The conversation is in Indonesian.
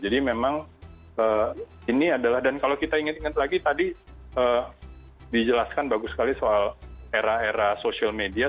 jadi memang ini adalah dan kalau kita ingat ingat lagi tadi dijelaskan bagus sekali soal era era social media